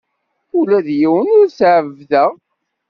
Ula d yiwen ur t-ɛebbdeɣ.